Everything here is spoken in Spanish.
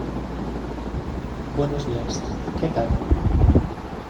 Buenos días, ¿qué tal?